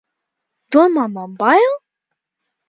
Domā, man bail!